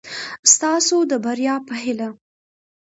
ستاسو د بري په هېله